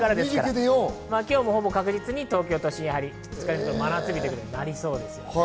今日も確実に東京都心で真夏日ということになりそうです。